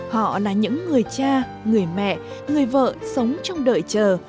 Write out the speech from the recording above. họ là những người cha người mẹ người vợ sống trong đợi chờ